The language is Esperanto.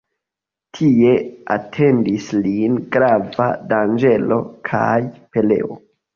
Tie atendis lin grava danĝero kaj pereo.